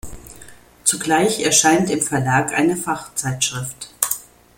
Zugleich erscheint im Verlag eine Fachzeitschrift.